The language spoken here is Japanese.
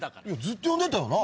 ずっと呼んでたよな？